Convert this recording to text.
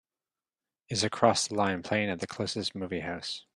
Is Across the Line playing at the closest movie house